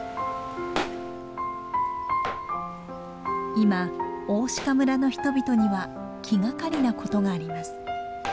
今大鹿村の人々には気がかりなことがあります。